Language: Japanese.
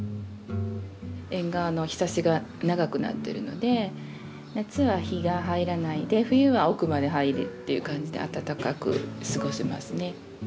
縁側のひさしが長くなってるので夏は日が入らないで冬は奥まで入るっていう感じで暖かく過ごせますね。